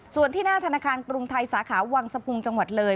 ส่วนที่หน้าธนาคารกรุงไทยสาขาวังสะพุงจังหวัดเลย